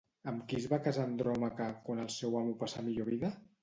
Amb qui es va casar Andròmaca quan el seu amo passà a millor vida?